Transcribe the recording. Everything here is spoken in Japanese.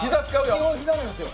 基本、膝なんですよ。